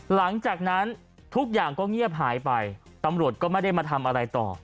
หลังจากนั้นทุกอย่างก็เงียบหายไปตำรวจก็ไม่ได้มาทำอะไรต่อ